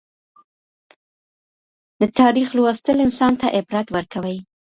د تاریخ لوستل انسان ته عبرت ورکوي.